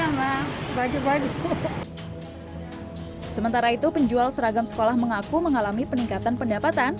sama baju baju sementara itu penjual seragam sekolah mengaku mengalami peningkatan pendapatan